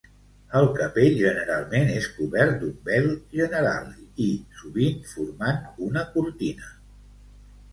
El capell generalment és cobert d'un vel general i, sovint, formant una cortina.